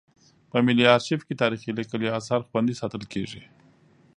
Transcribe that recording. په ملي ارشیف کې تاریخي لیکلي اثار خوندي ساتل کیږي.